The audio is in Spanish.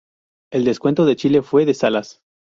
El descuento de Chile fue de Salas.